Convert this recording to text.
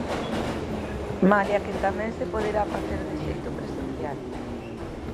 Malia que tamén se poderá facer de xeito presencial.